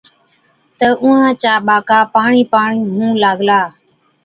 تہ اُونهان چا ٻاڪا پاڻِي پاڻِي هُئُون لاگلا۔